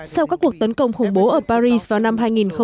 sau các cuộc tấn công khủng bố ở paris vào năm hai nghìn một mươi